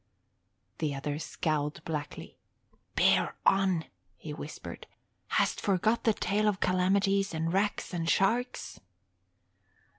The other scowled blackly. "Bear on," he whispered. "Hast forgot the tale of calamities and wrecks and sharks?"